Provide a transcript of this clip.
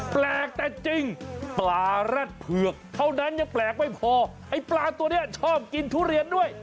แปลกแต่จริงปลาแร็ดเผือกเท่านั้นยังแปลกไม่พอไอ้ปลาตัวนี้ชอบกินทุเรียนด้วย